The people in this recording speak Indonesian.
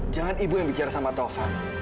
jangan ibu yang bicara sama tovan